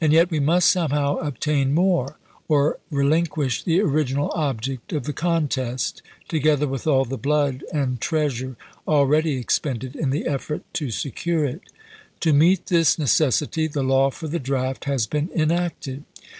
And yet we must somehow obtain more, or relinquish the original object of the con test, together with all the blood and treasure already expended in the effort to secure it. To meet this necessity the law for the draft has been enacted.